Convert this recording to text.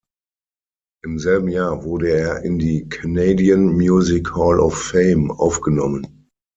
Im selben Jahr wurde er in die Canadian Music Hall of Fame aufgenommen.